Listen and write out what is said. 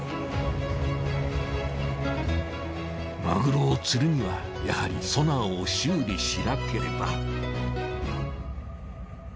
マグロを釣るにはやはりソナーを修理しなければ。